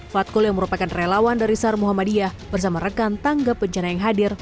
fatkul yang merupakan relawan dari sar muhammadiyah bersama rekan tangga bencana yang hadir